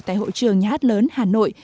tại hội trường nhát lớn hà nội